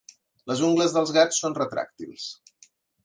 Les ungles dels gats són retràctils.